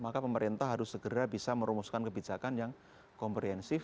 maka pemerintah harus segera bisa merumuskan kebijakan yang komprehensif